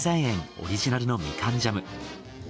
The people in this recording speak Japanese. オリジナルのみかんジャム。